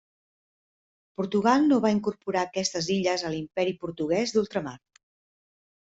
Portugal no va incorporar aquestes illes a l'imperi portuguès d'ultramar.